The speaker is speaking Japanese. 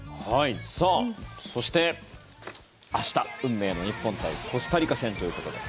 そして、明日運命の日本対コスタリカ戦ということで。